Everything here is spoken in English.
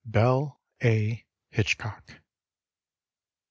Belle A. Hitchcock.